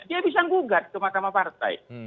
dia bisa ngugat ke makamah partai